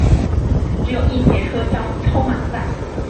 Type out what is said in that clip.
只有一节车厢超满载